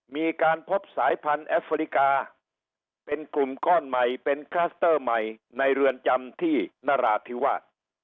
มีการพบสายพันธุ์แอฟริกาเป็นกลุ่มก้อนใหม่เป็นคลัสเตอร์ใหม่ในเรือนจำที่นราธิวาส